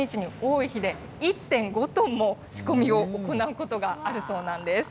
なんと１日に多い日で１．５トンも仕込みを行うことがあるそうなんです。